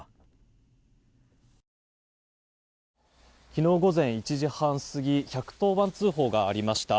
昨日午前１時半過ぎ１１０番通報がありました。